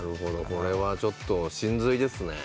これはちょっと神髄ですね。